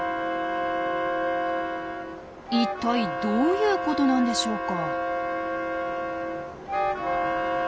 一体どういうことなんでしょうか？